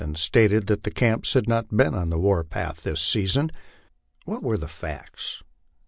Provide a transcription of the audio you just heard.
comber 16, and stated that the camps had not been on the war path " this sea son." What were the facts?